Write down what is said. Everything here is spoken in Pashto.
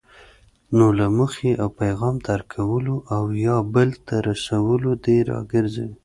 نو له موخې او پیغام درک کولو او یا بل ته رسولو دې راګرځوي.